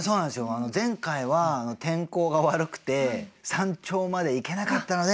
あの前回は天候が悪くて山頂まで行けなかったので。